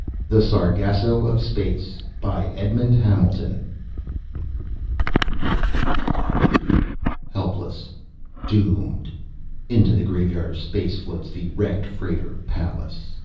] The Sargasso of Space By Edmond Hamilton Helpless, doomed, into the graveyard of space floats the wrecked freighter Pallas.